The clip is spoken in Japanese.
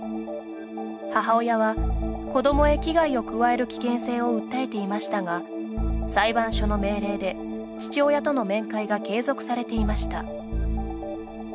母親は、子どもへ危害を加える危険性を訴えていましたが裁判所の命令で、父親との面会が継続されていました。